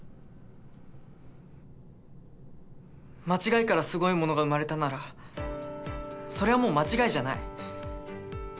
間違いからすごいものが生まれたならそれはもう間違いじゃない。